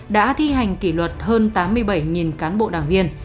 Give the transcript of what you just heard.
đã thi hành kỷ luật hơn tám mươi bảy cán bộ đảng viên